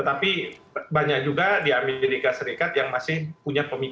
tetapi banyak juga di amerika serikat yang masih berpikir seperti itu